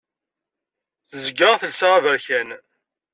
Tezga telsa aberkan.